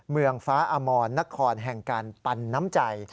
เมืองฟ้าอมรนครแห่งการปันน้ำใจ